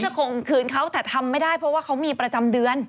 หวังจะคงคืนเขาแต่ทำไม่ได้เพราะเขามีประจำเดือน